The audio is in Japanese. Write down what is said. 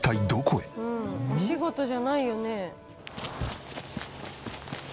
お仕事じゃないよね。